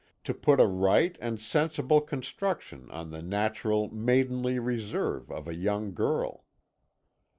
to put a right and sensible construction on the natural maidenly reserve of a young girl.